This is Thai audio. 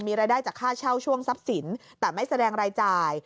มีรายได้จากค่าเช่าช่วงทรัพย์สินแต่ไม่แสดงรายจ่าย